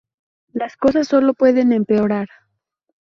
Las cosas sólo pueden empeorar.